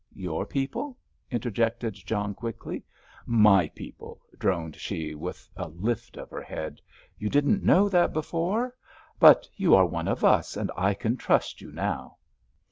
"Your people?" interjected John, quickly. "My people," droned she, with a lift of her head. "You didn't know that before? But you are one of us, and I can trust you now."